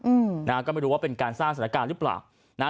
อืมนะฮะก็ไม่รู้ว่าเป็นการสร้างสถานการณ์หรือเปล่านะฮะ